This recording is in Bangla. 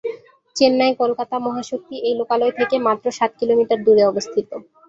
চেন্নাই-কলকাতা মহা শক্তি এই লোকালয় থেকে মাত্র সাত কিলোমিটার দূরে অবস্থিত।